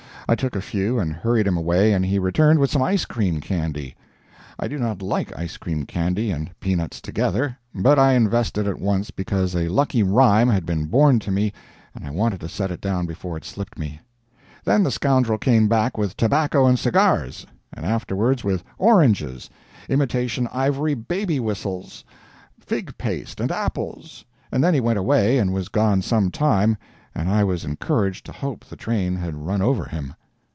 I took a few and hurried him away and he returned with some ice cream candy. I do not like ice cream candy and peanuts together, but I invested at once because a lucky rhyme had been born to me and I wanted to set it down before it slipped me. Then the scoundrel came back with tobacco and cigars, and afterwards with oranges, imitation ivory baby whistles, fig paste and apples, and then he went away and was gone some time, and I was encouraged to hope the train had run over him.